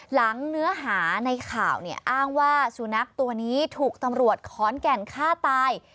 เนื้อหาในข่าวเนี่ยอ้างว่าสุนัขตัวนี้ถูกตำรวจขอนแก่นฆ่าตาย